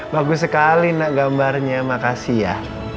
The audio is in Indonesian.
bagus sekali nak gambarnya makasih ya